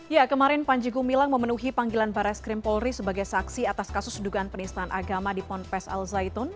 ya kemarin panji gumilang memenuhi panggilan barres krimpolri sebagai saksi atas kasus sedugaan penistaan agama di pompes al zaitun